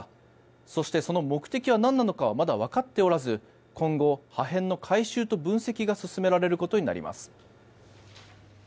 そしてその目的はなんなのかはまだ分かっておらず今後、破片の回収と分析が進められることになります。